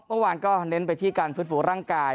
เมื่อวานก็เน้นไปที่การฟื้นฟูร่างกาย